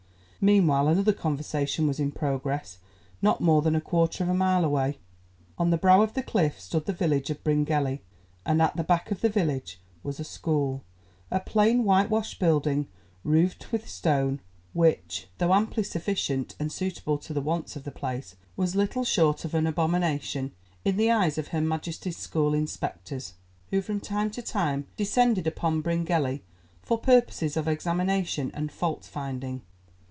Meanwhile another conversation was in progress not more than a quarter of a mile away. On the brow of the cliff stood the village of Bryngelly, and at the back of the village was a school, a plain white washed building, roofed with stone, which, though amply sufficient and suitable to the wants of the place, was little short of an abomination in the eyes of Her Majesty's school inspectors, who from time to time descended upon Bryngelly for purposes of examination and fault finding.